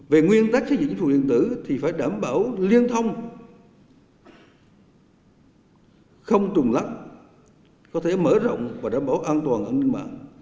về nguyên tắc xây dựng chính phủ điện tử thì phải đảm bảo liên thông không trùng lắc có thể mở rộng và đảm bảo an toàn an ninh mạng